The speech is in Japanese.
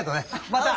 また！